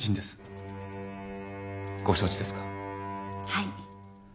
はい。